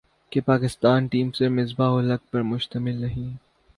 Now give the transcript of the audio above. کہ پاکستانی ٹیم صرف مصباح الحق پر مشتمل نہیں